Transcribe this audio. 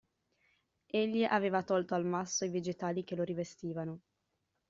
Egli aveva tolto al masso i vegetali che lo rivestivano.